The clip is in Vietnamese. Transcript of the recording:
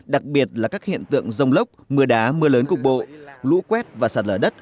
đặc biệt là các hiện tượng rông lốc mưa đá mưa lớn cục bộ lũ quét và sạt lở đất